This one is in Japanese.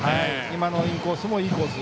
今のインコースもいいコース